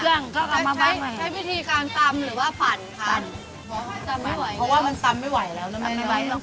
เครื่องก็กำมาวัดไหน